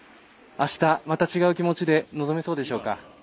あした、また違う気持ちで臨めそうでしょうか。